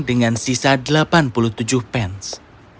dengan sisa delapan puluh tujuh pence